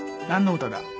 何の歌だ？